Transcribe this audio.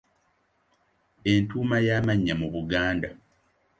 Entuuma y’amannya mu Buganda.